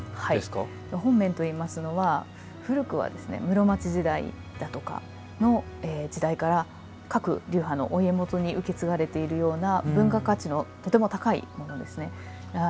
本面といいますのは古くは、室町時代だとかの時代から各流派のお家元に受け継がれているような文化価値のとても高いものですね。